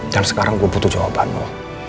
dan sekarang gue butuh jawabannya